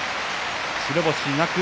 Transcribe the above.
白星なく